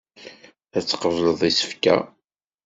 Ad tqebleḍ isefka.